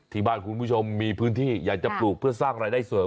คุณผู้ชมมีพื้นที่อยากจะปลูกเพื่อสร้างรายได้เสริม